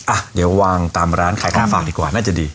อ่ะเดี๋ยววางตามร้านขายข้าวฝากดีกว่าน่าจะดี